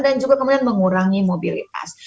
dan juga kemudian mengurangi mobilitas